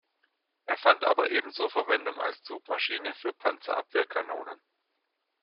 Er fand aber ebenso Verwendung als Zugmaschine für Panzerabwehrkanonen.